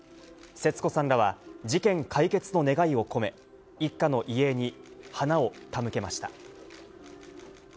節子さんらは、事件解決の願いを込め、一家の遺影に花を手向けました。